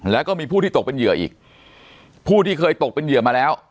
แล้วก็มีผู้ที่ตกเป็นเหยื่ออีกผู้ที่เคยตกเป็นเหยื่อมาแล้ว